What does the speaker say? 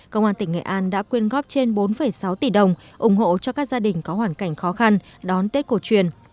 công an tỉnh nghệ an đã quyên góp trên bốn sáu tỷ đồng ủng hộ cho các gia đình có hoàn cảnh khó khăn đón tết cổ truyền